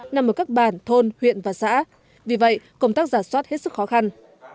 nằm ở các bản thôn huyện và xã vì vậy công tác giả soát hết sức khó khăn